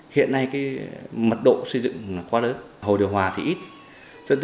hiện nay cái mật độ xây dựng quá lớn hầu điều hòa thì ít